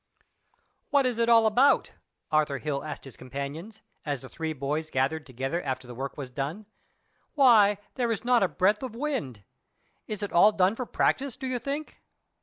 ] "What is it all about?" Arthur Hill asked his comrades, as the three boys gathered together after the work was done. "Why, there is not a breath of wind. Is it all done for practice, do you think?"